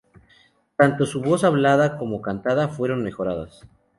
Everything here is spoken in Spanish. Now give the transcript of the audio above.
Tanto su voz hablada como cantada fueron mejoradas.